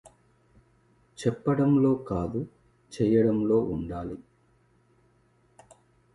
చెప్పడంలో కాదు చేయడంలో ఉండాలి.